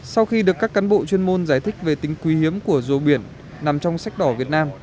sau khi được các cán bộ chuyên môn giải thích về tính quý hiếm của rùa biển nằm trong sách đỏ việt nam